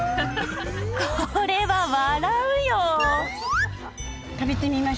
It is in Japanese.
これは笑うよ！